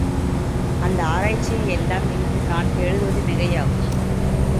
அந்த ஆராய்ச்சியை யெல்லாம் இங்கு நான் எழுதுவது மிகையாகும்.